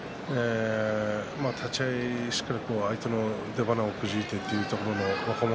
立ち合いしっかり相手の出ばなをくじいてというところ若元